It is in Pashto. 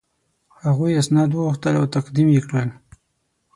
هغوی اسناد وغوښتل او تقدیم یې کړل.